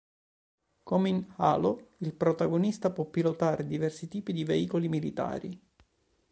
Come in "Halo", il protagonista può pilotare diversi tipi di veicoli militari.